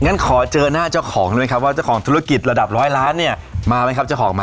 งั้นขอเจอหน้าเจ้าของได้ไหมครับว่าเจ้าของธุรกิจระดับร้อยล้านเนี่ยมาไหมครับเจ้าของมา